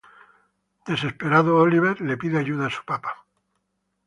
Desesperado, Oliver le pide ayuda a su padre.